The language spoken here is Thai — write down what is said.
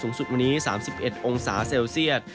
สูงสุดวันนี้๓๑องศาเซียต